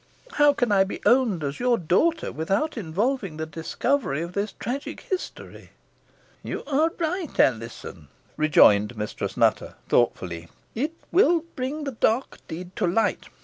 How can I be owned as your daughter without involving the discovery of this tragic history?" "You are right, Alizon," rejoined Mistress Nutter, thoughtfully. "It will bring the dark deed to light.